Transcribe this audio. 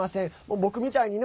僕みたいにね